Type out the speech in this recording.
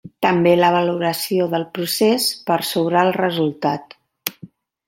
També la valoració del procés per sobre el resultat.